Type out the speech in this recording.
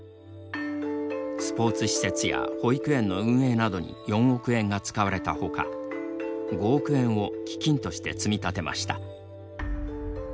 スポーツ施設や保育園の運営などに４億円が使われたほか５億円を基金として積み立てました。